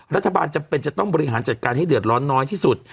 รัฐบาลจำเป็นจะต้องบริหารจัดการให้เดือดร้อนน้อยที่สุด